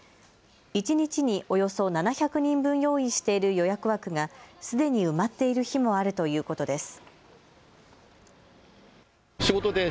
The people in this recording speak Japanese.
一日におよそ７００人分用意している予約枠がすでに埋まっている日もあるということです。